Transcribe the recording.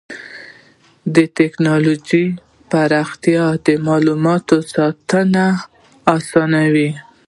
د ټکنالوجۍ پراختیا د معلوماتو ساتنه اسانوي.